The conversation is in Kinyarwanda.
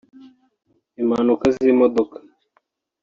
impanuka z’imodoka